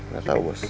gak tau bos